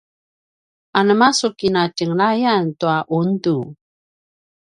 anema a tjaljasukinatjenglayan tua ’undu?